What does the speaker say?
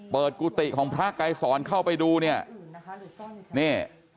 เปิดกุฏิของพระไกรศรเข้าไปดูเนี้ยอื่นอื่นนะคะหรือส้อนอีก